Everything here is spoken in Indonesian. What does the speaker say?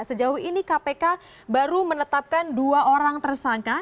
sejauh ini kpk baru menetapkan dua orang tersangka